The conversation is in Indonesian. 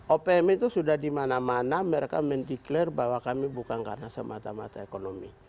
opm itu sudah dimana mana mereka mendeklarasi bahwa kami bukan karena semata mata ekonomi